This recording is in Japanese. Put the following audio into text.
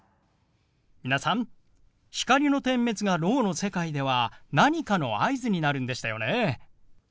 皆さん光の点滅がろうの世界では何かの合図になるんでしたよね。